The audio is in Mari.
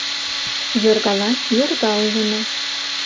Йоргалан йорга улына